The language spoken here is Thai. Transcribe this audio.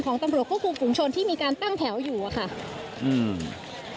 ของตำรวจคู่กลุ่มคุมชนที่มีการตั้งแถวอยู่ค่ะ